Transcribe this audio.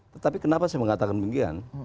tetapi kenapa saya mengatakan begini